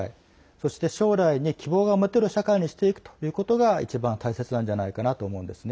そして将来に希望が持てる社会にしていくということが一番、大切なんじゃないかと思うんです。